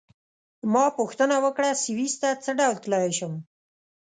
ما پوښتنه وکړه: سویس ته څه ډول تلای شم؟